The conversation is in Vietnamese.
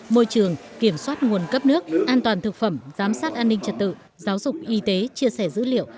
môi trường kiểm soát nguồn cấp nước an toàn thực phẩm giám sát an ninh trật tự giáo dục y tế chia sẻ dữ liệu